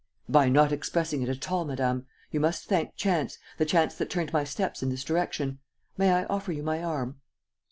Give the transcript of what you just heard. "By not expressing it at all, madame. You must thank chance, the chance that turned my steps in this direction. May I offer you my arm?"